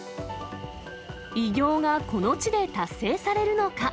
偉業がこの地で達成されるのか。